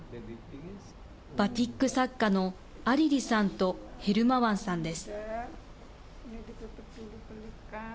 バティック作家のアリリさんとヘルマワンさんです。